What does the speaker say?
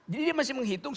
jadi dia masih menghitung